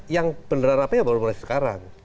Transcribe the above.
yang beneran rapinya baru mulai sekarang